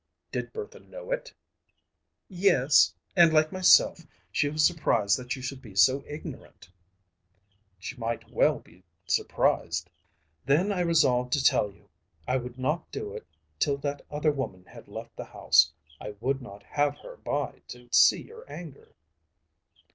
"Did Bertha know it?" "Yes; and like myself she was surprised that you should be so ignorant." "She might well be surprised." "Then I resolved to tell you. I would not do it till that other woman had left the house. I would not have her by to see your anger."